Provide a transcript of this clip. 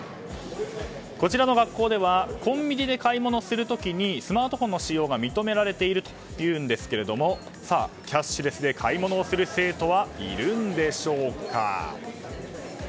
こちらの学校ではコンビニで買い物する時にスマートフォンの使用が認められているというんですがキャッシュレスで買い物をする生徒はいるんでしょうか。